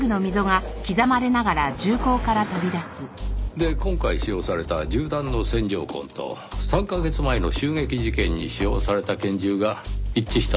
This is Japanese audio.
「」で今回使用された銃弾の線条痕と３カ月前の襲撃事件に使用された拳銃が一致した。